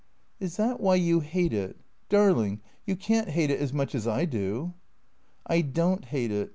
" Is that why you hate it ? Darling, you can't hate it as much as I do." " I don't hate it.